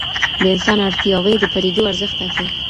د انسان اړتیاوې د پدیدو ارزښت ټاکي.